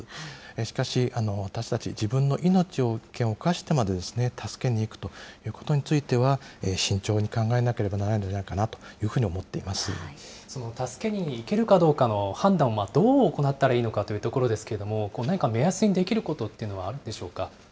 しかし、私たち、自分の命の危険を冒してまで助けに行くということについては、慎重に考えなければならないのではないかなというふうに思ってい助けに行けるかどうかの判断はどう行なったらいいのかというところですけれども、何か目安にできることというのはあるんでしょうか。